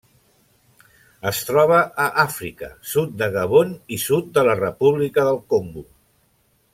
Es troba a Àfrica: sud de Gabon i sud de la República del Congo.